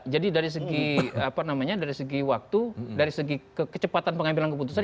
jadi dari segi waktu dari segi kecepatan pengambilan keputusan